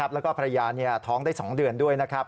แล้วก็ภรรยาท้องได้๒เดือนด้วยนะครับ